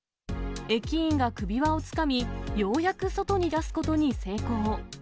駅員が首輪をつかみ、ようやく外に出すことに成功。